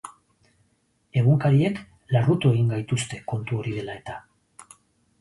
Egunkariek larrutu egin gaituzte kontu hori dela eta.